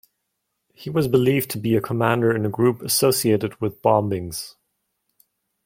He was believed to be a commander in a group associated with bombings.